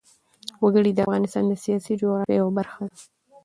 وګړي د افغانستان د سیاسي جغرافیه یوه برخه ده.